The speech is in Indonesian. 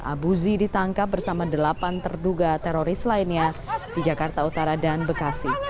abu zi ditangkap bersama delapan terduga teroris lainnya di jakarta utara dan bekasi